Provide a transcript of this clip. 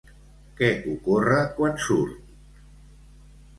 Què ocorre quan surt?